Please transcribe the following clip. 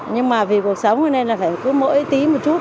nhưng mà vì cuộc sống cho nên là phải cứ mỗi tí một chút